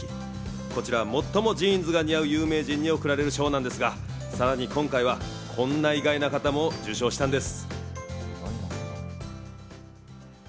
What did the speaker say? こちらは最もジーンズが似合う有名人に贈られる賞なんですが、さらに今回はこんな意外な方も受賞したんです。